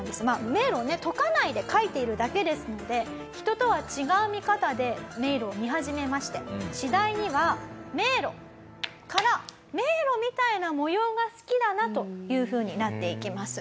迷路をね解かないで描いているだけですので人とは違う見方で迷路を見始めまして次第には「迷路」から「迷路みたいな模様」が好きだなというふうになっていきます。